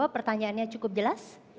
pertanyaannya cukup jelas